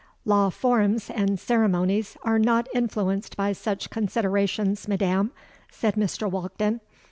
'—'Law forms and ceremonies are not influenced by such considerations, madam,' said Mr. Walkden.